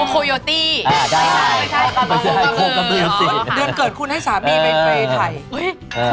อ๋อโคโยตี้ไม่ใช่โคกระบือเดือนเกิดคุณให้สามีไปไถ่โคกระบือ